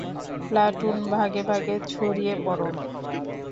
Platoon, ভাগে ভাগে ছড়িয়ে পড়ো!